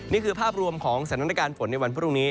นี่คือภาพรวมของสถานการณ์ฝนในวันพรุ่งนี้